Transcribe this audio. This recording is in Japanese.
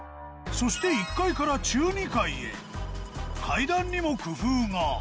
そして１階から階段にも工夫が！